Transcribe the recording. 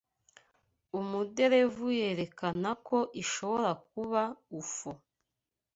Umuderevu yerekana ko ishobora kuba UFO.